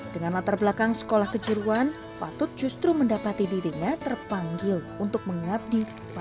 dengan latar belakang sekolah kejuruan patut justru mendapati dirinya terpanggil untuk mengabdi pada tanah kota asalnya